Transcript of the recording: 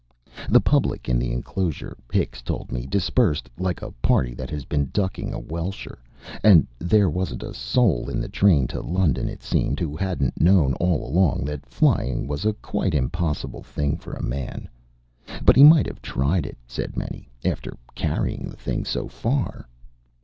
The public in the enclosure, Hicks told me, dispersed "like a party that has been ducking a welsher," and there wasn't a soul in the train to London, it seems, who hadn't known all along that flying was a quite impossible thing for man. "But he might have tried it," said many, "after carrying the thing so far."